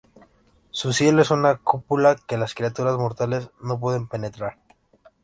Su cielo es una cúpula que las criaturas mortales no pueden penetrar.